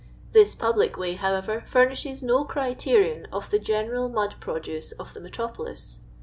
This public way, however, furnishes no criterion of the general mud produce of the metropolis.